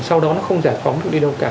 sau đó nó không giải phóng được đi đâu cả